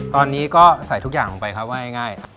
ตอนนี้ก็ใส่ทุกอย่างออกมาไปครับไว้ง่าย